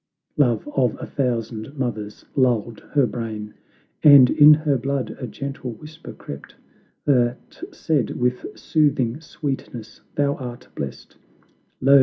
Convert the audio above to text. Love of a thousand mothers lulled her brain, And in her blood a gentle whisper crept, That said with soothing sweetness, "Thou art blest; Lo!